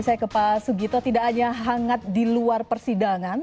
saya ke pak sugito tidak hanya hangat di luar persidangan